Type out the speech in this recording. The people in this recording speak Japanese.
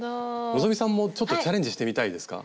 希さんもちょっとチャレンジしてみたいですか？